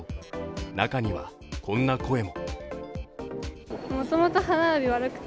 中にはこんな声も。